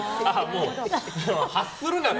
発するなと。